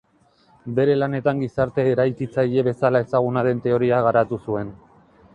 Bere lanetan gizarte eraikitzaile bezala ezaguna den teoria garatu zuen.